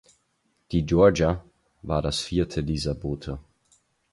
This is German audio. Die "Georgia" war das vierte dieser Boote.